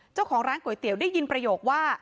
เจ้าของร้านก๋วยเตี๋ยวได้ยินประโยคว่า